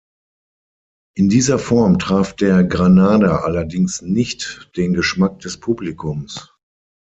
In dieser Form traf der Granada allerdings nicht den Geschmack des Publikums.